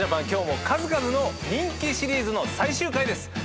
今日も数々の人気シリーズの最終回です。